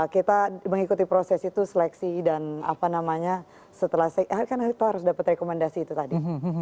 kita mengikuti proses itu seleksi dan apa namanya setelah kan harus dapat rekomendasi itu tadi